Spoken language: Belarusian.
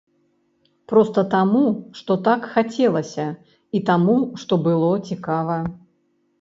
Проста таму, што так хацелася і таму, што было цікава.